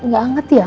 gak anget ya